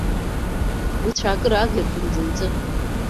Уи цәаакыра агирхом бзанҵы.